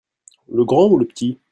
Le grand ou le petit ?